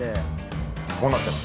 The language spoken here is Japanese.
こうなってます。